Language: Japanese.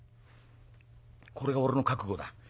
これが俺の覚悟だ。